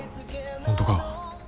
本当か？